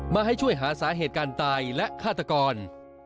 มาให้ช่วยหาสาเหตุการตายและฆาตกร